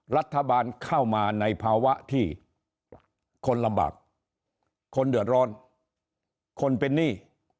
รัฐบาลเข้ามาในภาวะที่คนลำบากคนเดือดร้อนคนเป็นหนี้